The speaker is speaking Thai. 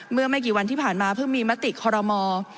เมื่อไม่กี่วันที่ผ่านมาเพิ่งมีมติคอรมอล์